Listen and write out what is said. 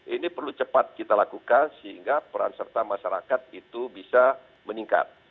ini perlu cepat kita lakukan sehingga peran serta masyarakat itu bisa meningkat